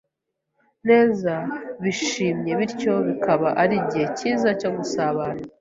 neza, bishimye bityo kikaba ari igihe cyiza cyo gusabana